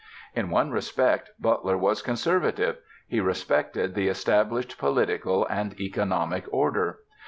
In one respect Butler was conservative: he respected the established political and economic order.